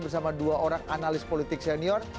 bersama dua orang analis politik senior